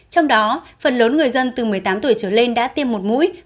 trong đó phần lớn người dân từ một mươi tám tuổi trở lên đã tiêm một mũi